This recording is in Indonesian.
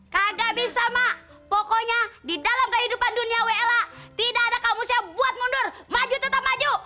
kagak bisa mak pokoknya di dalam kehidupan dunia wl tidak ada kamus yang buat mundur maju tetap maju